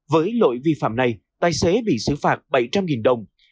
với lỗi vi phạm này tài xế bị xử phạt bảy trăm linh đồng